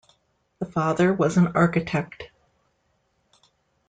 The father was an architect.